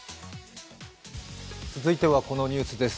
続いてはこのニュースです。